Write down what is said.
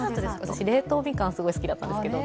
私、冷凍みかんすごい好きだったんですけど。